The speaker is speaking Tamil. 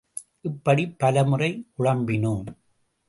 இப்படிப் பல முறை குழம்பினோம்.